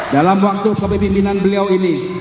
dalam waktu kepemimpinan beliau ini